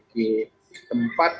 seorang yang berpengaruh